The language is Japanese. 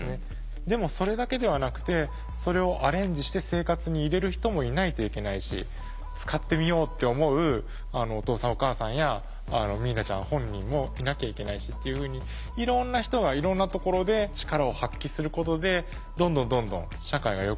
でもそれだけではなくてそれをアレンジして生活に入れる人もいないといけないし使ってみようって思うお父さんお母さんや明奈ちゃん本人もいなきゃいけないしっていうふうになのでそういうきっかけにこの番組がなればいいなというふうに思いました。